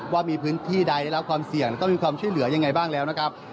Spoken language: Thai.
ว่ามีพื้นที่ใดได้รับความเสี่ยงแล้วก็มีความช่วยเหลือยังไงบ้างแล้วนะครับ